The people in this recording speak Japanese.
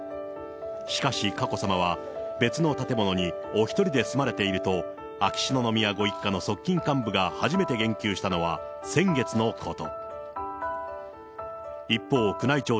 しかし、佳子さまは別の建物にお１人で住まれていると、秋篠宮ご一家の側近幹部が初めて言及したのは先月のこと。